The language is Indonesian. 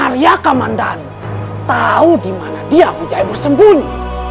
tidak tahu di mana dia menjauh bersembunyi